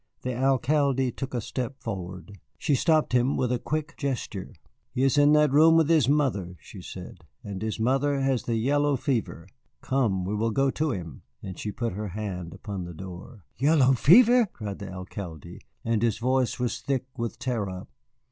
The Alcalde took a step forward. She stopped him by a quick gesture. "He is in that room with his mother," she said, "and his mother has the yellow fever. Come, we will go to him." And she put her hand upon the door. "Yellow fever!" cried the Alcalde, and his voice was thick with terror.